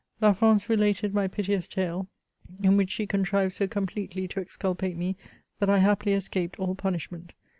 La France related my piteous tale, in which she contrived so completely to exculpate me, that I happily escaped all punishment.